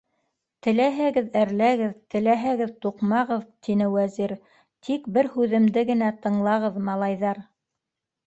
- Теләһәгеҙ, әрләгеҙ, теләһәгеҙ, туҡмағыҙ, - тине Вәзир, - тик бер һүҙемде генә тыңлағыҙ, малайҙар.